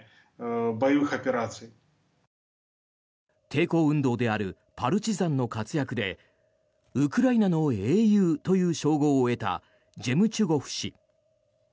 抵抗運動であるパルチザンの活躍でウクライナの英雄という称号を得たジェムチュゴフ氏。